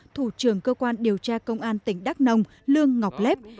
thủ trưởng cơ quan điều tra công an tỉnh đắk nông lương ngọc lép